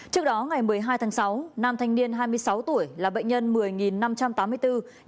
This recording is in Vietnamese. trước đó ngày một mươi hai tháng sáu nam thanh niên hai mươi sáu tuổi là bệnh nhân một mươi năm trăm tám mươi bốn